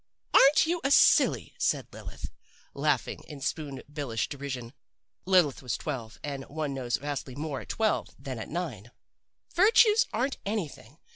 "'Aren't you a silly!' said Lilith, laughing in Spoon billish derision. Lilith was twelve, and one knows vastly more at twelve than at nine. 'Virtues aren't anything.